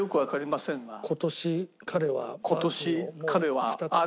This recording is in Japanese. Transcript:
今年彼は。